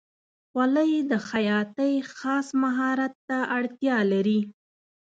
خولۍ د خیاطۍ خاص مهارت ته اړتیا لري.